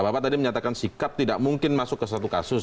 bapak tadi menyatakan sikap tidak mungkin masuk ke satu kasus